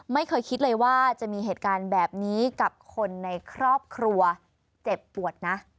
ไม่เคยคิดเลยว่าจะมีเหตุการณ์แบบนี้กับคนในครอบครัวเจ็บปวดนะ